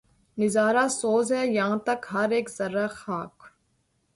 نظارہ سوز ہے یاں تک ہر ایک ذرّۂ خاک